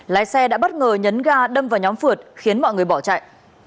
lái xe đã bất ngờ nhấn ga đâm vào nhóm phượt khiến mọi người bỏ chạy